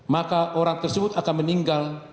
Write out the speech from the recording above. maka orang tersebut akan meninggal